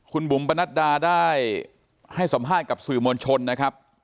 คุณบุ๋มปนัดดาได้ให้สัมภาษณ์กับสื่อมวลชนนะครับ